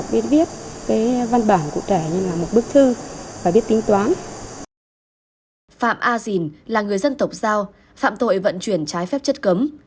phạm a dìn là người dân tộc giao phạm tội vận chuyển trái phép chất cấm